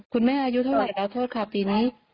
คุณแม่อายุทีเท่าไหร่แล้วทดค่าปีนี้